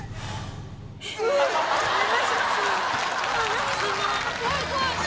何するの？